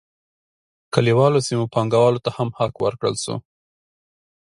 کلیوالو سیمو پانګوالو ته هم حق ورکړل شو.